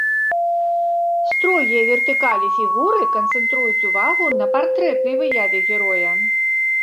Строгія вертыкалі фігуры канцэнтруюць увагу на партрэтнай выяве героя.